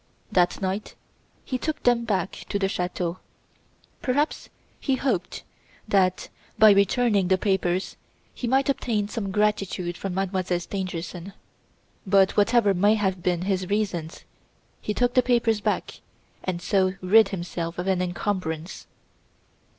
That night he took them back to the chateau. Perhaps he hoped that, by returning the papers he might obtain some gratitude from Mademoiselle Stangerson. But whatever may have been his reasons, he took the papers back and so rid himself of an encumbrance."